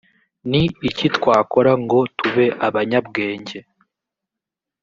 ni iki twakora ngo tube abanyabwenge